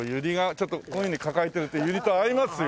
ちょっとこういうふうに抱えてるとユリと合いますよ。